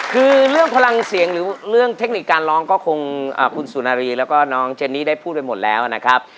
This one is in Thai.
คือเรื่องพลังเสียงหรือเรื่องเทคนิคการร้องก็คงคุณสุนารีแล้วก็น้องเจนนี่ได้พูดไปหมดแล้วนะครับ